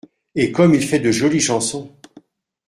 Et comme il fait de jolies chansons !